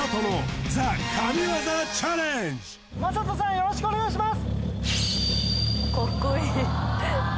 よろしくお願いします